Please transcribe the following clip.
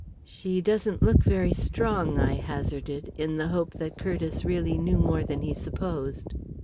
"She doesn't look very strong," I hazarded, in the hope that Curtiss really knew more than he supposed.